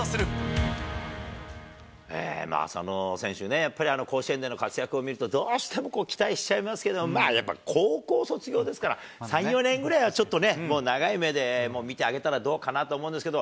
浅野選手ね、やっぱり甲子園での活躍を見ると、どうしてもこう、期待しちゃいますけども、まあ、やっぱ高校卒業ですから、３、４年ぐらいは、ちょっとね、もう長い目で見てあげたらどうかなと思うんですけど。